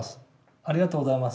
ありがとうございます。